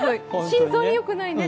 心臓によくないね。